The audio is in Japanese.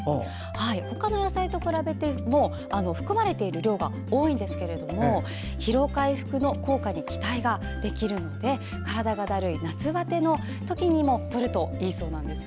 他の野菜と比べても含まれている量が多いんですが疲労回復の効果に期待できるので体がだるい夏バテの時にとるといいそうなんです。